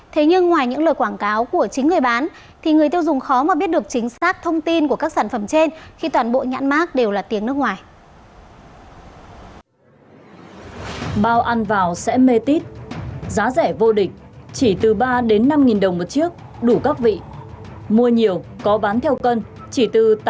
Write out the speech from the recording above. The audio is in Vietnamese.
thế nhưng ngoài những lời quảng cáo của chính người bán thì người tiêu dùng khó mà biết được chính xác thông tin của các sản phẩm trên khi toàn bộ nhãn mát đều là tiếng nước ngoài